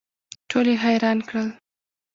ټول یې حیران کړل.